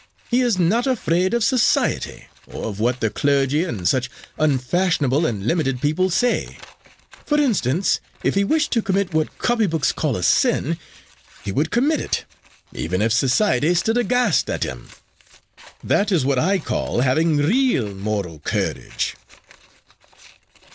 He is not afraid of Society, or of what the clergy and such unfashionable and limited people say. For instance, if he wished to commit what copy books call a sin, he would commit it, even if Society stood aghast at him. That is what I call having real moral courage."